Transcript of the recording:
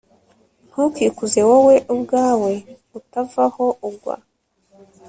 ntukikuze wowe ubwawe, utavaho ugwa